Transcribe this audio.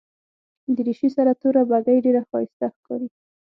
دریشي سره توره بګۍ ډېره ښایسته ښکاري.